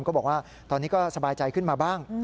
ก็บอกว่าตอนนี้ก็สบายใจขึ้นมาบ้าง